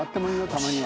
たまには。